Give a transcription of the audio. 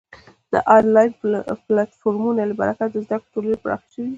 د آنلاین پلتفورمونو له برکته د زده کړې ټولنې پراخه شوې ده.